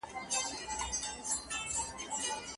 هغه کوچنی و مروړی .